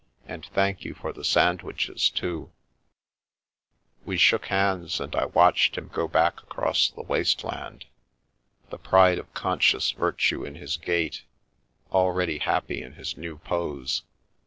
And thank you for the sand wiches, too !" We shook hands, and I watched him go back across the waste land, the pride of conscious virtue in his gait, already happy in his new pose.